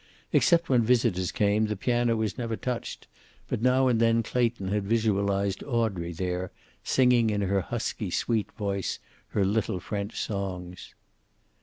Except when visitors came, the piano was never touched, but now and then Clayton had visualized Audrey there, singing in her husky sweet voice her little French songs.